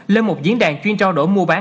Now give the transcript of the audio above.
lên một diễn đàn chuyên trao đổi mua bán